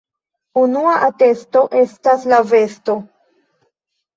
Unua atesto estas la vesto.